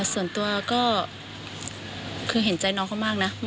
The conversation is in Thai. ส่วนตัวก็คือเห็นใจน้องเขามากนะ